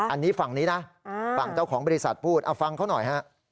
อันนี้ฝั่งนี้นะฝั่งเจ้าของบริษัทพูดเอาฟังเขาหน่อยฮะ